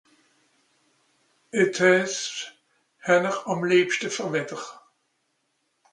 (...) hän'r àm lìebschte fer Wetter ?